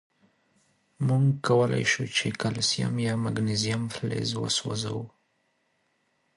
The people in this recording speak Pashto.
مونږ کولای شو چې کلسیم یا مګنیزیم فلز وسوځوو.